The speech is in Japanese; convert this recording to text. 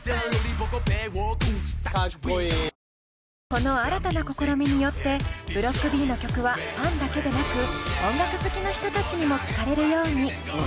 この新たな試みによってＢｌｏｃｋＢの曲はファンだけでなく音楽好きの人たちにも聴かれるように。